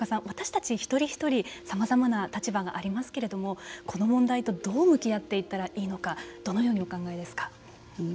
私たち一人一人さまざまな立場がありますけれどもこの問題と、どう向き合っていったらいいのかどのようにお考えですか。